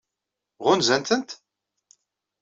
Ɣunzan-tent?